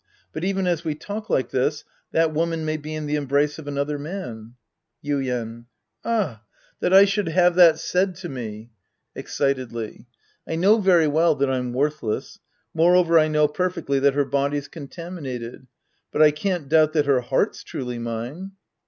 But even as we talk like this, that woman may be in the embrace of another man. Yidejt. Ah! That I should have that said to me ! (^Excitedly.) I know very well that I'm worth less. Moreover, I know perfectly that her body's contaminated. But I can't doubt that her heart's truly mine.